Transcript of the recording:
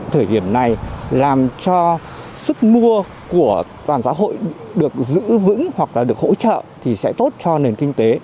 thời điểm này làm cho sức mua của toàn xã hội được giữ vững hoặc là được hỗ trợ thì sẽ tốt cho nền kinh tế